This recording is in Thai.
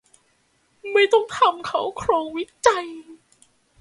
ไม่ต้องทำเค้าโครงวิจัย